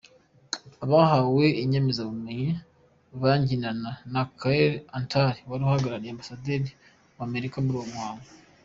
Abahawe inyemezabumenyi banyinana na Carrie Antal wari uhagarariye ambasaderi wa Amerika muri uwo muhango .